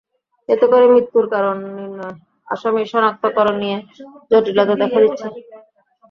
এতে করে মৃত্যুর কারণ নির্ণয়, আসামি শনাক্তকরণ নিয়ে জটিলতা দেখা দিচ্ছে।